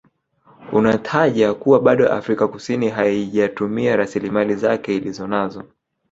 Unataja kuwa bado Afrika Kusini haijatumia rasilimali zake Ilizonanazo